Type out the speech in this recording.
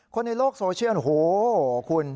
คนในโลกโซเชียลโหคุณ